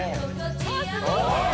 「あっすごい！」